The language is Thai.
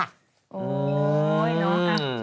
โอ้โฮน้องค่ะ